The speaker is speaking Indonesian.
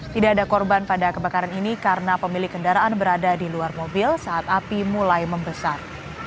tidak ada korban pada kebakaran ini karena pemilik kendaraan berada di luar mobil saat api mulai membesar